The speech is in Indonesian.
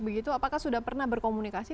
begitu apakah sudah pernah berkomunikasi